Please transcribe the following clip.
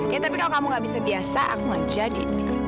ya tapi kalau kamu gak bisa biasa aku mau jadi